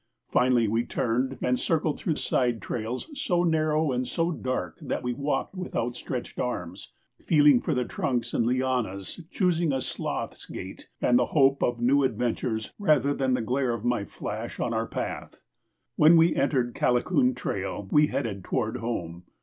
Finally we turned and circled through side trails so narrow and so dark that we walked with outstretched arms, feeling for the trunks and lianas, choosing a sloth's gait and the hope of new adventures rather than the glare of my flash on our path. When we entered Kalacoon trail, we headed toward home.